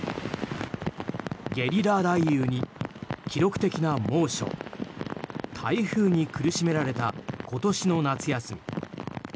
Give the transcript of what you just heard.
ゲリラ雷雨に記録的な猛暑台風に苦しめられた今年の夏休み。